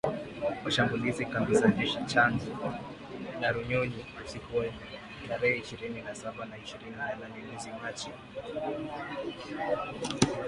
walishambulia kambi za jeshi Tchanzu na Runyonyi usiku wa tarehe ishirini na saba na ishirini na nane mwezi Machi